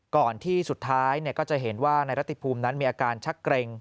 ก่อนที่สุดท้ายก็จะเห็นว่านายรัติภูมินั้นมีอาการชักเกร็ง